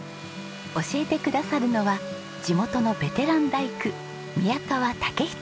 教えてくださるのは地元のベテラン大工宮川武仁さんです。